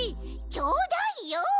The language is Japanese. ちょうだいよ。